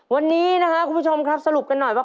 วันนี้นะครับคุณผู้ชมครับสรุปกันหน่อยว่า